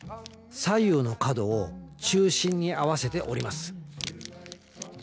左右の角を中心に合わせて折ります。